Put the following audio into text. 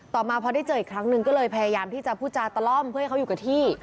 มาพอได้เจออีกครั้งหนึ่งก็เลยพยายามที่จะพูดจาตะล่อมเพื่อให้เขาอยู่กับที่